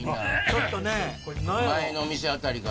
ちょっとね。